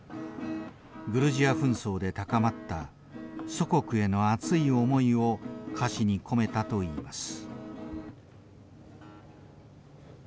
グルジア紛争で高まった祖国への熱い思いを歌詞に込めたと言います。